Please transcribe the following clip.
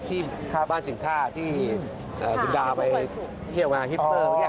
ที่บ้านสิ่งท่าที่คุณดาวไปเที่ยวงานฮิปเปอร์